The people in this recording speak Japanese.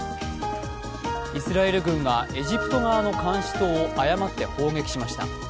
イスラエル軍がエジプト側の監視塔を誤って砲撃しました。